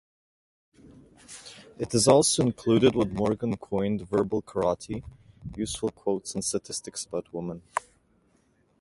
It also included what Morgan coined "verbal karate": useful quotes and statistics about women.